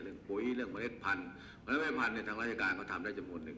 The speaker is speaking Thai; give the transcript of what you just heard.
เรื่องปุ๋ยเรื่องเมล็ดพันธุ์เมล็ดพันธุ์เนี่ยทางราชการก็ทำได้จำนวนหนึ่ง